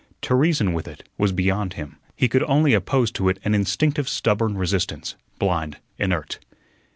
To reason with it was beyond him. He could only oppose to it an instinctive stubborn resistance, blind, inert.